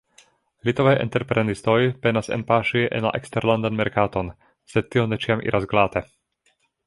Litovaj entreprenistoj penas enpaŝi en la eksterlandan merkaton, sed tio ne ĉiam iras glate.